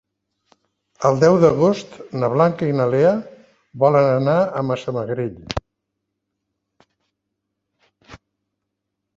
El deu d'agost na Blanca i na Lea volen anar a Massamagrell.